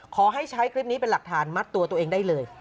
ขอให้ใช้คลิปนี้เป็นหลักฐานมัดตัวตัวเองได้เลย